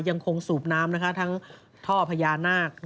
ยังคงสูบน้ำนะคะทั้งท่อพญานาค